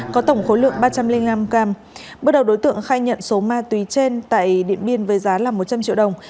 có tổng khối lượng ba trăm linh năm gram bước đầu đối tượng khai nhận số ma túy trên tại điện biên với giá là một trăm linh triệu đồng